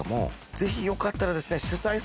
ぜひよかったらですね。